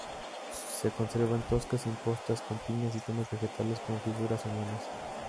Se conservan toscas impostas con piñas y temas vegetales con figuras humanas.